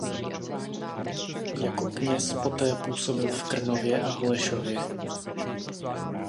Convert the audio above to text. Jako kněz poté působil v Krnově a Holešově.